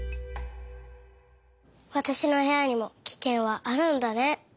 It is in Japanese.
わたしのへやにもキケンはあるんだね。